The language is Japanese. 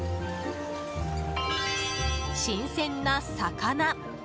新鮮な魚。